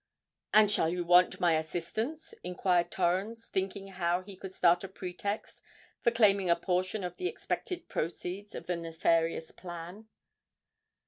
"And shall you want my assistance?" inquired Torrens, thinking how he could start a pretext for claiming a portion of the expected proceeds of the nefarious plan.